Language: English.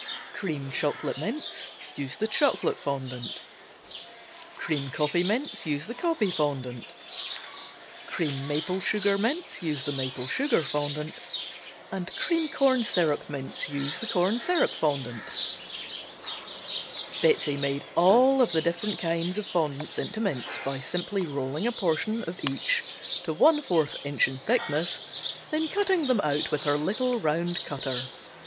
Cream Chocolate Mints Chocolate fondant, page 108. Cream Coffee Mints Coffee fondant, page 109. Cream Maple Sugar Mints Maple sugar fondant, page 110. Cream Corn Syrup Mints Corn syrup fondant, page 111. Betsey made all of the different kinds of fondants into mints by simply rolling a portion of each to one fourth inch in thickness, then cutting them out with her little round cutter.